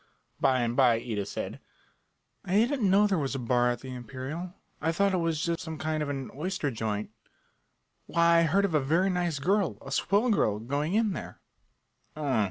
By and by Ida said: "I didn't know there was a bar at the Imperial. I thought it was just some kind of an oyster joint. Why, I heard of a very nice girl, a swell girl, going in there."